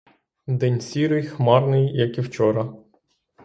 День сірий, хмарний, як і вчора.